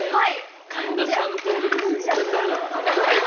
神田さんと俺は全然だめだから。